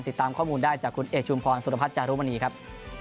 ติดตามข้อมูลได้จากคุณเอกชุมพรสุรพัฒน์จารุมณีครับ